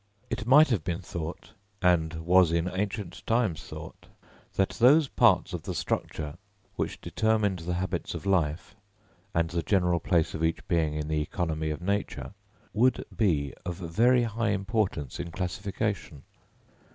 It might have been thought (and was in ancient times thought) that those parts of the structure which determined the habits of life, and the general place of each being in the economy of nature, would be of very high importance in classification.